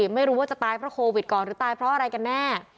ไม่รู้ว่าจะตายเพราะโควิดก่อนหรือตายเพราะอะไรกันแน่